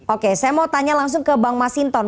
oke saya mau tanya langsung ke bang masinton